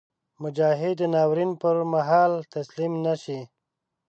مجاهد د ناورین پر مهال تسلیم نهشي.